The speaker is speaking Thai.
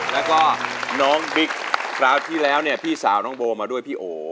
แล้วก็น้องบิ๊กคราวที่แล้วเนี่ยพี่สาวน้องโบมาด้วยพี่โอ